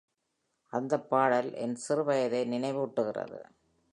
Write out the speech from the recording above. அந்தப் பாடல் என் சிறுவயதை நினைவூட்டுகிறது.